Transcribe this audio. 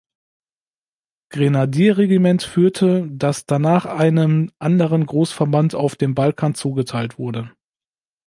Grenadierregiment führte, das danach einem anderen Großverband auf dem Balkan zugeteilt wurde.